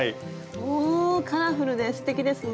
おカラフルですてきですね。